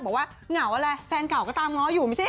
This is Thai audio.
บอกว่าเหงาอะไรแฟนเก่าก็ตามง้ออยู่ไม่ใช่หรอ